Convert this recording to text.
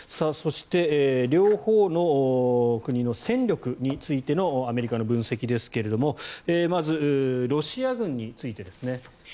そして、両方の国の戦力についてのアメリカの分析ですがまず、ロシア軍についてですね。